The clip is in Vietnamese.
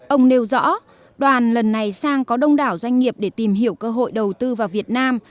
ông nêu rõ đoàn lần này sang có đông đảo doanh nghiệp để tìm hiểu cơ hội đầu tư vào việt nam